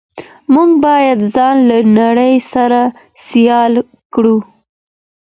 موږ باید ځان له نړۍ سره سیال کړو.